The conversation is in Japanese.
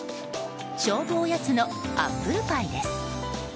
勝負おやつのアップルパイです。